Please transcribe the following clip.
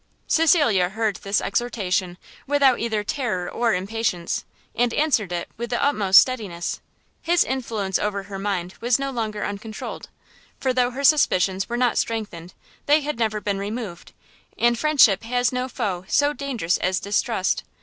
Cecilia heard this exhortation without either terror or impatience, and answered it with the utmost steadiness. His influence over her mind was no longer uncontrolled, for though her suspicions were not strengthened, they had never been removed, and friendship has no foe so dangerous as distrust!